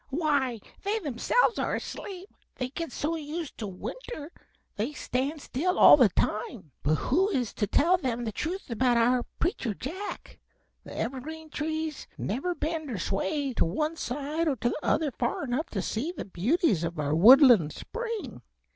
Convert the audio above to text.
"Why, they themselves are asleep. They get so used to winter they stand still all the time, but who is to tell them the truth about our Preacher Jack? The Evergreen Trees never bend or sway to one side or the other far enough to see the beauties of our woodland spring.